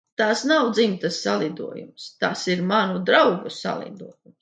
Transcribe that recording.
Tas nav dzimtas salidojums, tas ir manu draugu salidojums.